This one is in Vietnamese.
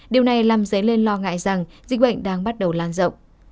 điều này làm dấy lên lo ngại rằng dịch bệnh đang bắt đầu lan rộng